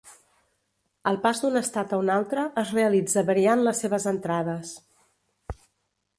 El pas d'un estat a un altre es realitza variant les seves entrades.